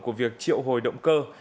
của việc triệu hồi động cơ